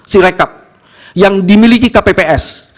sirekap yang dimiliki kpps